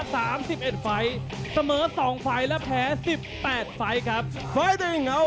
๓๑ตัวต่อ๑๘ตัวลงและ๒ตัวลง